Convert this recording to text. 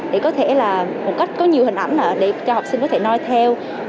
để có thể là một cách có nhiều hình ảnh ạ để cho học sinh có thể nói theo